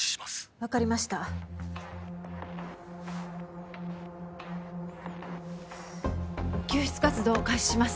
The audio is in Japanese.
分かりました救出活動開始します